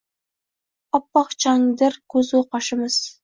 Oppoq changdir ko’zu qoshimiz.